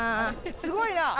すごいな！